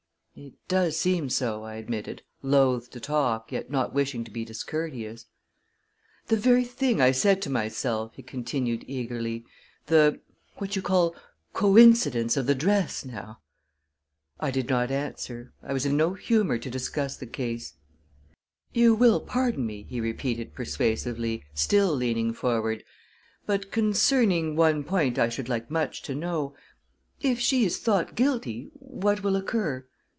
"It does seem so," I admitted, loth to talk, yet not wishing to be discourteous. "The ver' thing I said to myself!" he continued eagerly. "The what you call coe encidence of the dress, now!" I did not answer; I was in no humor to discuss the case. "You will pardon me," he repeated persuasively, still leaning forward, "but concer rning one point I should like much to know. If she is thought guilty what will occur?"